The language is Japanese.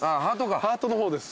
ハートの方です。